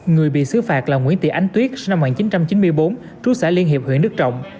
người bị xứ phạt là nguyễn tị ánh tuyết sinh năm một nghìn chín trăm chín mươi bốn trú xã liên hiệp huyện đức trọng